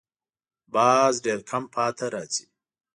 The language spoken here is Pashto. باز ډېر کم پاتې راځي